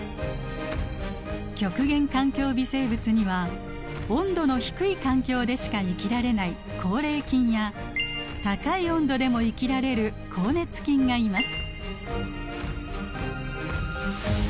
極限環境微生物には温度の低い環境でしか生きられない好冷菌や高い温度でも生きられる好熱菌がいます。